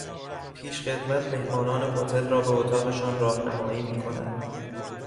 پیشخدمت مهمانان هتل را به اتاقشان راهنمایی میکند.